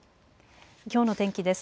きょうの天気です。